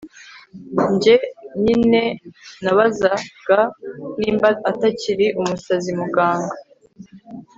njye nyine nabazaga nimba atakiri umusazi! muganga